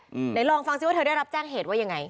ไหนลองฟังสิว่าเธอได้รับแจ้งเหตุว่ายังไง